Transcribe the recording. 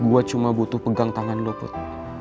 gue cuma butuh pegang tangan lo put